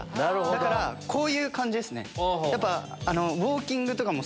だからこういう感じですね。